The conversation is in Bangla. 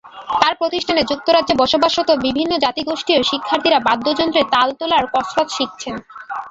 তাঁর প্রতিষ্ঠানে যুক্তরাজ্যে বসবাসরত বিভিন্ন জাতিগোষ্ঠীর শিক্ষার্থীরা বাদ্যযন্ত্রে তাল তোলার কসরত শিখছেন।